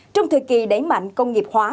trong thời kỳ đẩy mạnh công nghiệp hóa